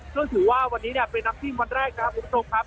ก็ถือว่าวันนี้เป็นนักที่มันแรกครับคุณผู้ชมครับ